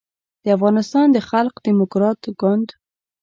د افغانستان د خلق دیموکراتیک ګوند